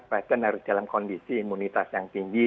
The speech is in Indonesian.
pasien harus dalam kondisi imunitas yang tinggi